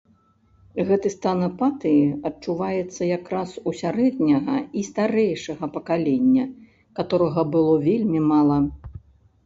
Гэты стан апатыі адчуваецца якраз у сярэдняга і старэйшага пакалення, каторага было вельмі мала.